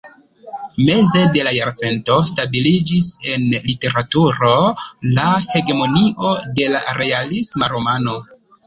Meze de la jarcento stabiliĝis en literaturo la hegemonio de la realisma romano.